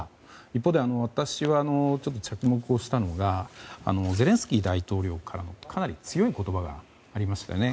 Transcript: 一方で私が着目したのはゼレンスキー大統領からかなり強い言葉がありましたね。